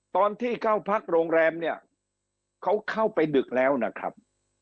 ตอนที่เข้าพักโรงแรมเนี่ยเขาเข้าไปดึกแล้วนะครับ